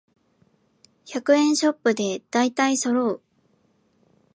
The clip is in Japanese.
百円ショップでだいたいそろう